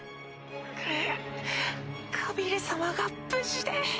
ガビル様が無事で。